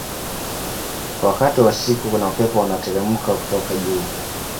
wakati wa usiku kuna upepo unaoteremka kutoka juu